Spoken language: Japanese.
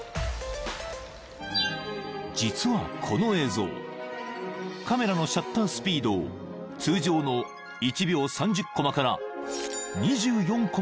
［実はこの映像カメラのシャッタースピードを通常の１秒３０コマから２４コマにして撮影］